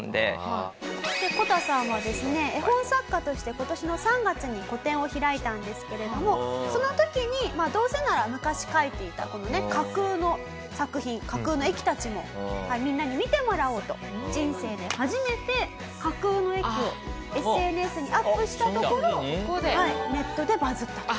こたさんはですね絵本作家として今年の３月に個展を開いたんですけれどもその時にどうせなら昔描いていたこのね架空の作品架空の駅たちもみんなに見てもらおうと人生で初めて架空の駅をＳＮＳにアップしたところネットでバズったと。